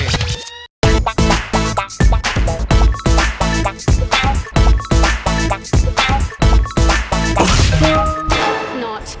นุ้ย